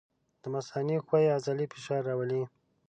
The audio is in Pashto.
د مثانې ښویې عضلې فشار راولي.